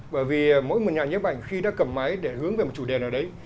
bởi vì mỗi một nhà nhấp ảnh khi đã cầm máy để hướng về một chủ đề nào đấy